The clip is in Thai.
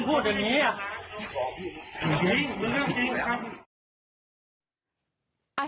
อุ้ย